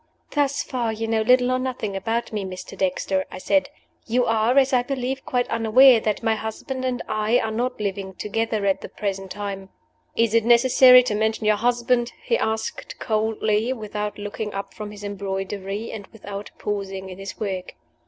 "Thus far, you know little or nothing about me, Mr. Dexter," I said. "You are, as I believe, quite unaware that my husband and I are not living together at the present time." "Is it necessary to mention your husband?" he asked, coldly, without looking up from his embroidery, and without pausing in his work.